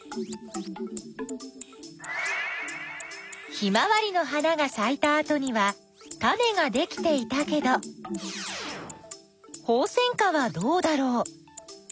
ヒマワリの花がさいたあとにはタネができていたけどホウセンカはどうだろう？